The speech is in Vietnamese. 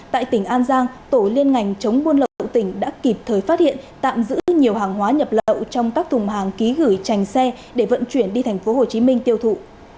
tại tỉnh an giang tổ liên ngành chống buôn lậu tỉnh đã kịp thời phát hiện tạm giữ nhiều hàng hóa nhập lậu trong các thùng hàng ký gửi trành xe để vận chuyển đi tp hcm tiêu thụ